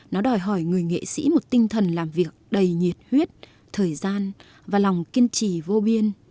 nó đòi hỏi người nghệ sĩ một tinh thần làm việc đầy nhiệt huyết thời gian và lòng kiên trì vô biên